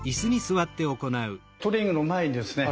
トレーニングの前にですね